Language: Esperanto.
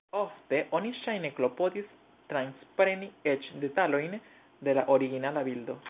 Ofte oni ŝajne klopodis transpreni eĉ detalojn de la originala bildo.